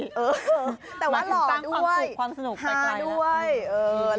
หมายถึงตั้งความสุขความสนุกไปไกล